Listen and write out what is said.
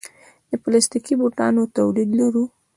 د پلاستیکي بوټانو تولید لرو؟